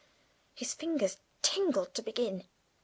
His fingers tingled to begin.